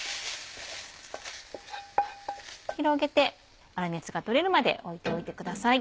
広げて粗熱が取れるまで置いておいてください。